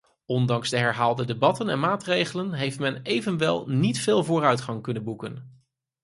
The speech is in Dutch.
Ondanks de herhaalde debatten en maatregelen heeft men evenwel niet veel vooruitgang kunnen boeken.